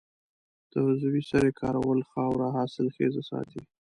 د عضوي سرې کارول خاوره حاصلخیزه ساتي.